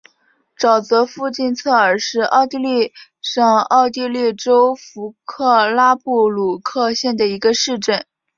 沼泽附近策尔是奥地利上奥地利州弗克拉布鲁克县的一个市镇。